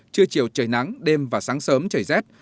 trưa chiều trời nắng đêm và sáng sớm trời rét